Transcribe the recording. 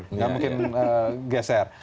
tidak mungkin geser